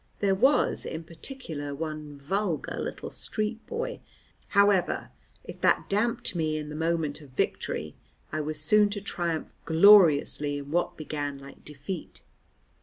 There was, in particular, one vulgar little street boy However, if that damped me in the moment of victory, I was soon to triumph gloriously in what began like defeat.